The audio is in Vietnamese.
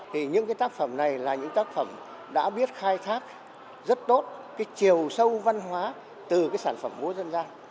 thì những tác phẩm này là những tác phẩm đã biết khai thác rất tốt chiều sâu văn hóa từ sản phẩm của dân gian